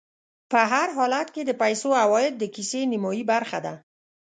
په هر حالت کې د پیسو عوايد د کيسې نیمایي برخه ده